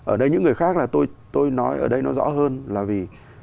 ở đây những người khác là tôi nói ở đây nó rõ hơn là vì